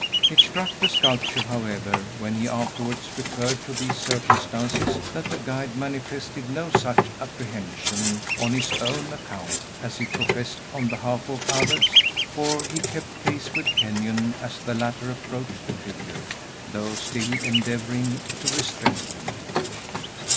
It struck the sculptor, however, when he afterwards recurred to these circumstances, that the guide manifested no such apprehension on his own account as he professed on behalf of others; for he kept pace with Kenyon as the latter approached the figure, though still endeavoring to restrain 'him.